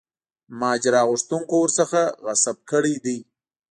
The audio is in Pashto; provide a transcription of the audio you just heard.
ماجرا غوښتونکو ورڅخه غصب کړی دی.